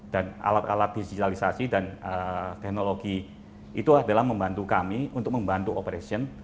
dan alat alat digitalisasi dan teknologi itu adalah membantu kami untuk membantu operation